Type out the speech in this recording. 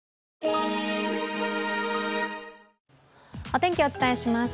お天気、お伝えします。